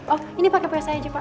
oh ini pakai bahasa aja pak